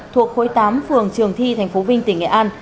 thuộc khối tám phường trường thi thành phố vinh tỉnh nghệ an